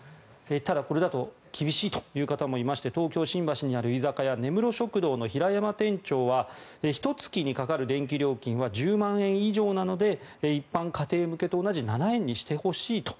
ただ、これだと厳しいという方もいまして東京・新橋にある居酒屋根室食堂の平山店長はひと月にかかる電気料金は１０万円以上なので一般家庭向けと同じ７円にしてほしいと。